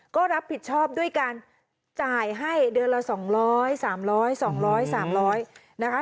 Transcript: ก็รับผิดชอบด้วยการจ่ายให้เดือนละ๒๐๐๓๐๐๒๐๐๓๐๐นะคะ